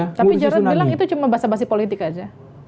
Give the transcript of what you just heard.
tapi jarod bilang itu cuma bahasa bahasa politik aja